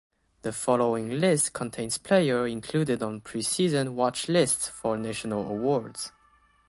The following list contains players included on preseason watch lists for national awards.